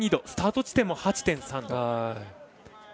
スタート地点も８．３度。